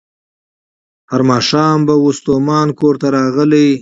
هر ماښام به وو ستومان کورته راغلی